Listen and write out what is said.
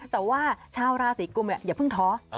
แต่ว่าชาวราศีกุมอย่าเพิ่งท้อ